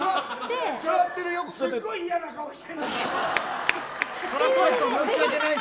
すごい嫌な顔してる！